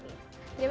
terima kasih mbak ida